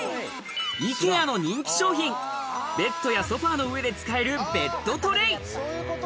ＩＫＥＡの人気商品、ベッドやソファの上で使えるベッドトレイ。